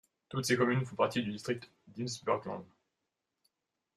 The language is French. Toutes ces communes font partie du District d'Innsbruck-Land.